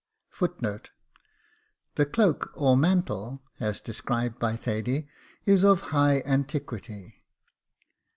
The cloak, or mantle, as described by Thady, is of high antiquity.